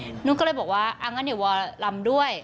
ถึงหนึ่งก็เลยว่ายังคงลำด้วย